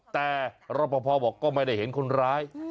แต่รอปภบอกก็ไม่ได้เห็นคนร้าย